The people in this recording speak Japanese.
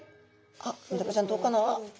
あっメダカちゃんどうかな？